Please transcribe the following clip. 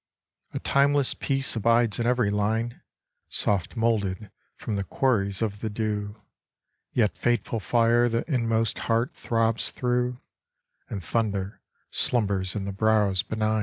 A timeless peace abides in every line Soft moulded from the quarries of the dew, Yet fateful fire the inmost heart throbs through, And thunder slumbers in the brows benign.